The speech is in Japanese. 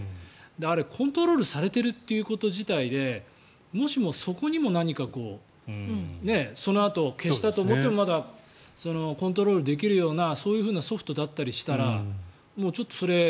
あれ、コントロールされているということ自体でもしも、そこにも何かそのあと消したと思ってもまだコントロールできるようなそういうソフトだったりしたらちょっとそれ